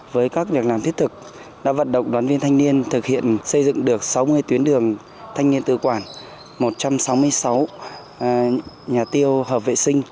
với các việc làm thiết thực đã vận động đoàn viên thanh niên thực hiện xây dựng được sáu mươi tuyến đường thanh niên tự quản một trăm sáu mươi sáu nhà tiêu hợp vệ sinh